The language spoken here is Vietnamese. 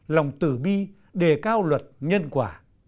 lòng tử bi đề cao luật nhân quả